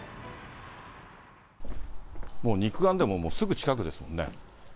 もう肉眼でも、もう、すぐ近くですもんね。